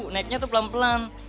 naiknya tuh pelan pelan